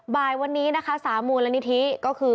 บ่ายวันนี้นะคะ๓มูลนิธิก็คือ